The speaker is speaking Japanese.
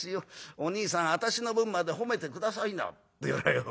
おにいさん私の分まで褒めて下さいな』って言うからよ